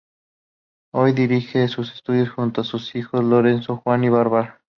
Hoy dirige su estudio junto a sus hijos Lorenzo, Juan y Bárbara.